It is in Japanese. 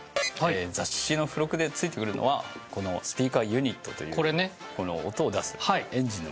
雑誌の付録で付いてくるのはこのスピーカーユニットというこの音を出すエンジンの部分。